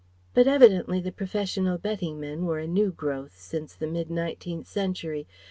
But evidently the professional betting men were a new growth since the mid nineteenth century.